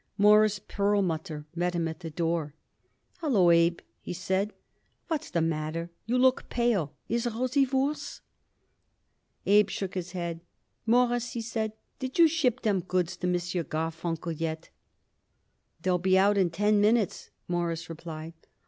Morris Perlmutter met him at the door. "Hallo, Abe," he cried. "What's the matter? You look pale. Is Rosie worse?" Abe shook his head. "Mawruss," he said, "did you ship them goods to M. Garfunkel yet?" "They'll be out in ten minutes," Morris replied.